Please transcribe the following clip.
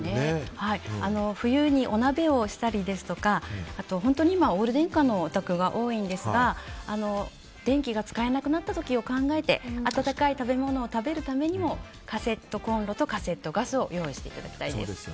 冬にお鍋をしたりですとかあとは今、オール電化のお宅が多いんですが電気が使えなくなった時を考えて温かい食べ物を食べるためにもカセットコンロとカセットガスを用意していただきたいです。